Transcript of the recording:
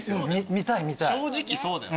正直そうだよな。